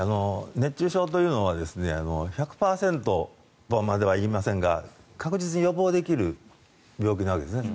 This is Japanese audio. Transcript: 熱中症というのは１００％とまでは言いませんが確実に予防できる病気なわけですね。